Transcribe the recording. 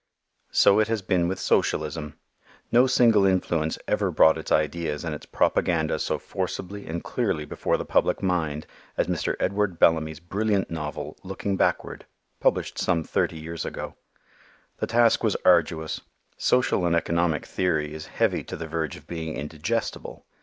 So it has been with socialism. No single influence ever brought its ideas and its propaganda so forcibly and clearly before the public mind as Mr. Edward Bellamy's brilliant novel, "Looking Backward," published some thirty years ago. The task was arduous. Social and economic theory is heavy to the verge of being indigestible.